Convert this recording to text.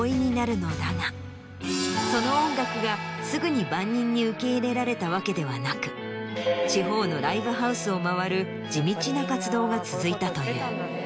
その音楽がすぐに万人に受け入れられたわけではなく地方のライブハウスを回る地道な活動が続いたという。